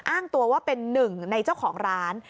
อ้างตัวว่าเป็นหนึ่งในเจ้าของร้าน